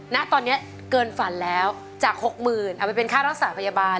ณตอนนี้เกินฝันแล้วจาก๖๐๐๐เอาไปเป็นค่ารักษาพยาบาล